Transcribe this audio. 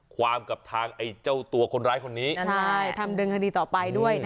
ขอเข้าใจนะ